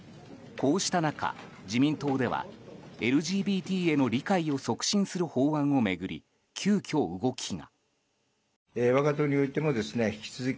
こうした中、自民党ではＬＧＢＴへの理解を促進する法案を巡り急きょ、動きが。